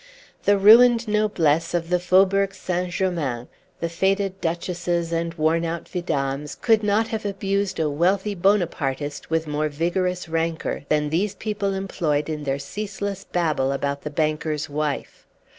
The ruined noblesse of the Faubourg St. Germain, the faded duchesses and wornout vidames, could not have abused a wealthy Bonapartist with more vigorous rancor than these people employed in their ceaseless babble about the banker's wife.